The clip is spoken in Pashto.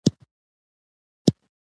خو بیا یې هم ماته نه ده منلې